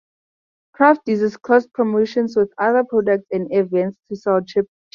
Kraft uses cross-promotions with other products and events to sell Cheese Nips.